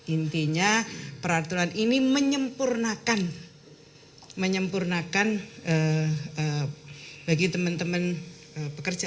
intinya peraturan ini menyempurnakan menyempurnakan bagi teman teman pekerja